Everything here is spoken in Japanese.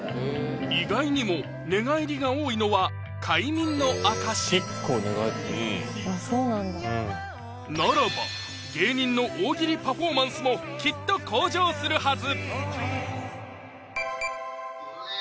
意外にも寝返りが多いのはならば芸人の大喜利パフォーマンスもきっと向上するはず！